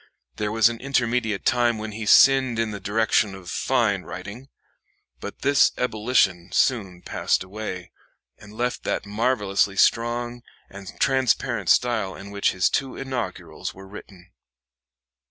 There was an intermediate time when he sinned in the direction of fine writing; but this ebullition soon passed away, and left that marvelously strong and transparent style in which his two inaugurals were written.